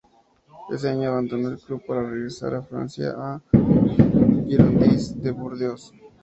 Ese año abandonó el club para regresar a Francia, al Girondins de Burdeos.